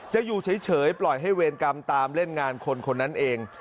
อยู่เฉยปล่อยให้เวรกรรมตามเล่นงานคนคนนั้นเอง